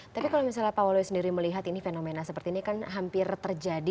tapi kalau misalnya pak wali sendiri melihat ini fenomena seperti ini kan hampir terjadi